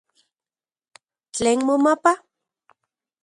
¿Tlen momapa?